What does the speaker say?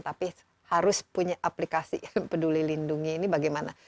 tapi harus punya aplikasi peduli lindungi ini bagaimana